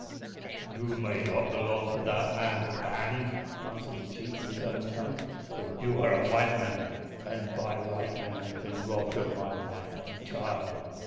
"You may not belong to that man's band," answered the chief, in his own tongue, "but you are a white man, and by white men I have been robbed of my wife and child.